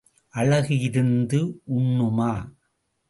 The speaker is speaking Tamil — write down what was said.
அழகு இருந்து உண்ணுமா?